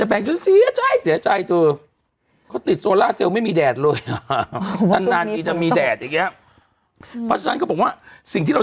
พี่เจี๊ยบคุณเจี๊ยบติดน้ำทั่วที่ดินแดงเขาบอกไง